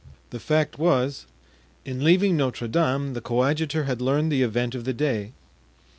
The fact was, in leaving Notre Dame the coadjutor had learned the event of the day.